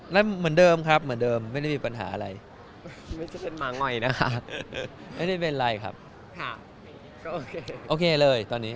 อเจมส์เหมือนเดิมครับเหมือนเดิมไม่ได้มีปัญหาอะไรไม่ได้เป็นอะไรครับโอเคเลยตอนนี้